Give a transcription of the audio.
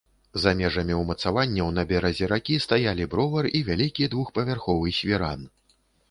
За межамі ўмацаванняў на беразе ракі стаялі бровар і вялікі двухпавярховы свіран.